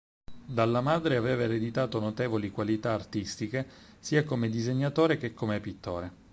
Dalla madre aveva ereditato notevoli qualità artistiche, sia come disegnatore che come pittore.